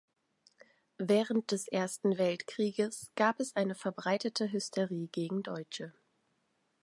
Während des Ersten Weltkrieges gab es eine verbreitete Hysterie gegen Deutsche.